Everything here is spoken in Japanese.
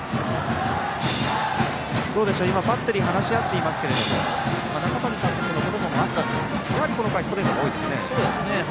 どうでしょう、今バッテリーが話し合っていますが中谷監督の言葉もあったんですがこの回、ストレートが多いですね。